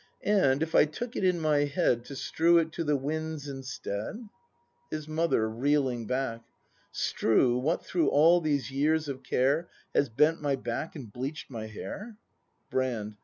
] And if I took it in my head To strew it to the winds, instead ? His Mother. [Reeling back.] Strew, what through all these years of care Has bent my back and bleach'd my hair? Brand.